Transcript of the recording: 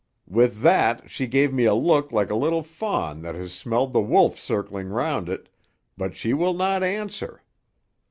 "With that she gave me a look like a little fawn that has smelled the wolf circling 'round it, but she will not answer.